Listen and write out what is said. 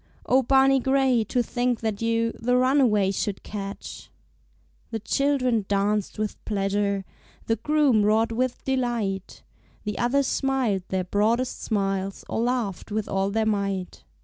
Oh, Barney Gray, to think that you The runaway should catch! The children danced with pleasure, The groom roared with delight, The others smiled their broadest smiles Or laughed with all their might.